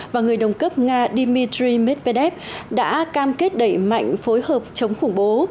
và người đồng cấp nga dmitry medvedev đã cam kết đẩy mạnh phối hợp chống khủng bố